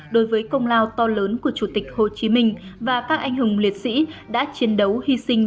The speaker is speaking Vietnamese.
đối với công lao to lớn của chủ tịch hồ chí minh và các anh hùng liệt sĩ đã chiến đấu hy sinh